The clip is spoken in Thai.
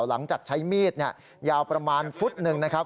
หลังจากใช้มีดยาวประมาณฝุ่นหนึ่ง